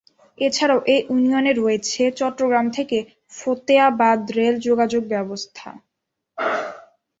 এছাড়াও এই ইউনিয়নে রয়েছে চট্টগ্রাম-ফতেয়াবাদ রেল যোগাযোগ ব্যবস্থা।